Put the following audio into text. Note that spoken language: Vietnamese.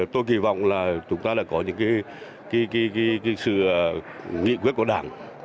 tôi kỳ vọng là chúng ta đã có những sự nghị quyết của đảng